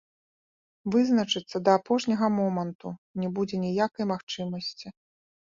Вызначыцца да апошняга моманту не будзе ніякай магчымасці.